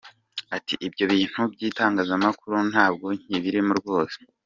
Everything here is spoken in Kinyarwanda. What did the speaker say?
Ati "Ibyo bintu by’itangazamakuru ntabwo nkibirimo rwose.